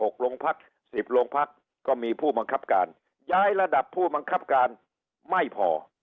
โรงพักสิบโรงพักก็มีผู้บังคับการย้ายระดับผู้บังคับการไม่พอ